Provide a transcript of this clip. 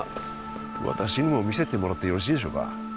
私にも見せてもらってよろしいでしょうか？